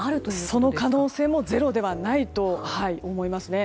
その可能性もゼロではないと思いますね。